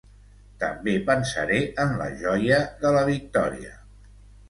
També pensaré en la joia de la victòria.